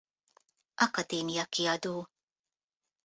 Akadémia Kiadó.